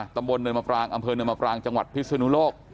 ตำบลเนินมปรางอำเภอเนินมปรางจังหวัดพิศนุโลก